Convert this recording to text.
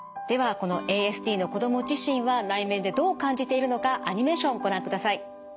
このＡＳＤの子ども自身は内面でどう感じているのかアニメーションをご覧ください。